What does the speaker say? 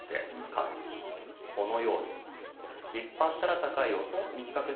このように引っ張ったら高い音短くしたら低い音。